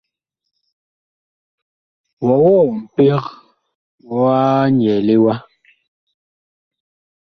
Wɔwɔɔ mpeg wa nyɛɛle wa ?